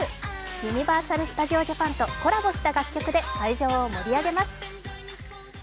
ユニバーサル・スタジオ・ジャパンとコラボした楽曲で会場を盛り上げます。